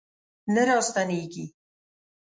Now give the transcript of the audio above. نه راستنیږي